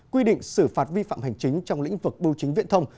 quy định xử phạt vi phạm hành chính trong lĩnh vực bưu chính viễn thông